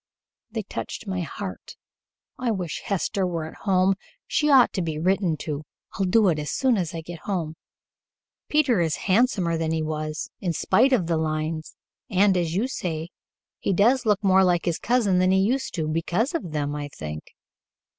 They touched my heart. I wish Hester were at home. She ought to be written to. I'll do it as soon as I get home." "Peter is handsomer than he was, in spite of the lines, and, as you say, he does look more like his cousin than he used to because of them, I think.